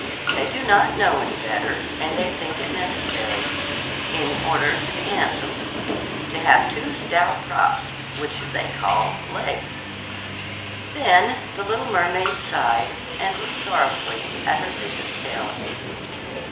They do not know any better, and they think it necessary, in order to be handsome, to have two stout props, which they call legs." Then the little mermaid sighed and looked sorrowfully at her fish's tail.